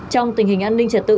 trong tình hình an ninh chất tử